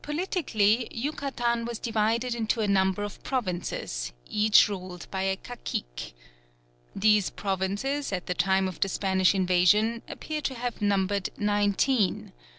Politically Yucatan was divided into a number of provinces, each ruled by a cacique. These provinces at the time of the Spanish invasion appear to have numbered nineteen.